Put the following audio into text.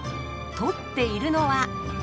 とっているのは。